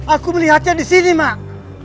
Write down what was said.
aku melihatnya di sini mak